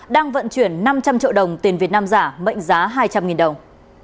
đang vận chuyển năm trăm linh triệu đồng tiền việt nam giả mệnh giá hai trăm linh đồng